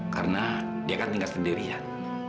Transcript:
karena dia kan tinggal sendirian